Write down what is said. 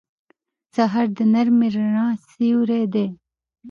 سهار د نرمې رڼا سیوری دی.